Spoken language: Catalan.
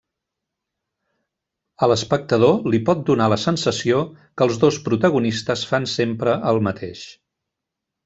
A l'espectador li pot donar la sensació que els dos protagonistes fan sempre el mateix.